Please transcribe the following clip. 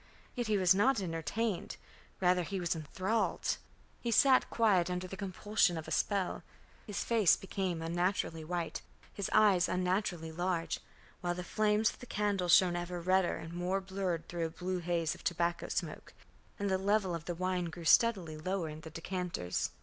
Yet he was not entertained; rather he was enthralled; he sat quiet under the compulsion of a spell. His face became unnaturally white, his eyes unnaturally large, while the flames of the candles shone ever redder and more blurred through a blue haze of tobacco smoke, and the level of the wine grew steadily lower in the decanters.